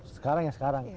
sekarang ya sekarang